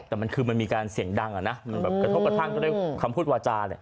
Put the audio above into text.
แต่มันคือมันมีการเสียงดังอะนะกระทบกับทั่งก็ได้คำพูดวาจานะ